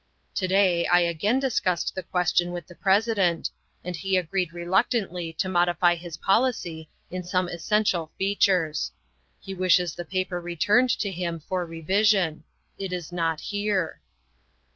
" To day I again discussed the question with the President and he agreed reluctantly to modify his policy in some essential features. He wishes the paper re turned to him for revision. It is not here."